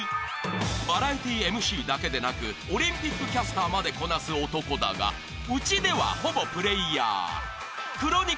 ［バラエティーＭＣだけでなくオリンピックキャスターまでこなす男だがうちではほぼプレーヤー］